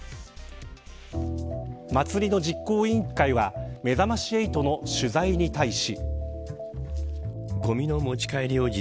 祭りの実行委員会はめざまし８の取材に対し。